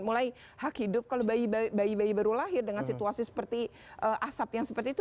mulai hak hidup kalau bayi bayi baru lahir dengan situasi seperti asap yang seperti itu